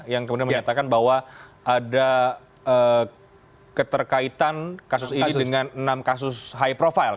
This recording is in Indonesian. yang kemudian menyatakan bahwa ada keterkaitan kasus ini dengan enam kasus high profile